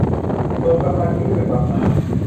ส่วนประกันชีวิตแบบบำนาญ